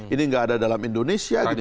ini nggak ada dalam indonesia gitu